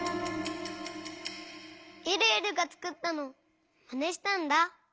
えるえるがつくったのをまねしたんだ。